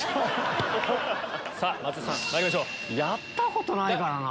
やったことないからなぁ。